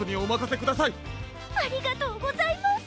ありがとうございます。